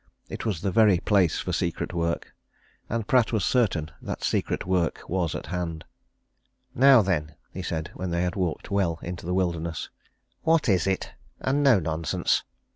It was the very place for secret work, and Pratt was certain that secret work was at hand. "Now then!" he said, when they had walked well into the wilderness. "What is it? And no nonsense!"